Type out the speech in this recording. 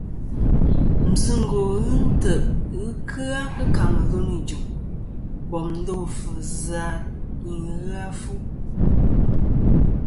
Mbvɨngwo ghɨ ntè' ghɨ kɨ-a kɨ camelûn i jɨm bòm ndo àfvɨ zɨ a i ghɨ a fu.